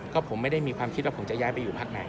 ก็ผมไม่ได้มีความคิดว่าผมจะย้ายไปอยู่พักไหน